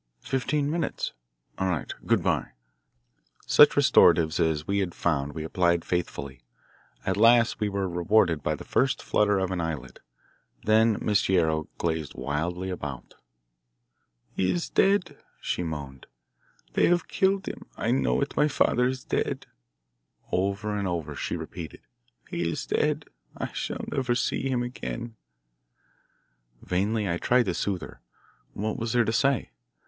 Fifteen minutes? All right. Good bye." Such restoratives as we had found we applied faithfully. At last we were rewarded by the first flutter of an eyelid. Then Miss Guerrero gazed wildly about. "He is dead," she moaned. "They have killed him. I know it. My father is dead." Over and over she repeated: "He is dead. I shall never see him again." Vainly I tried to soothe her. What was there to say?